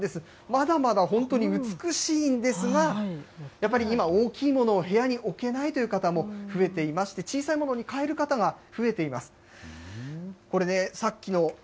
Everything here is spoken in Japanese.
まだまだ本当に美しいんですが、やっぱり今、大きいものを部屋に置けないという方も増えていまして、小さいものにかえる方が増えています。